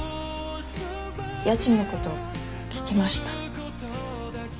家賃のこと聞きました。